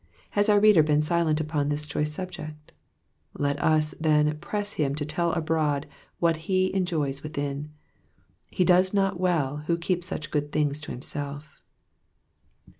Has our reader been silent upon this choice subject ? Let us, then, press him to tell abroad what he enjoys within : he docs not well who keeps such glad tidings to himself.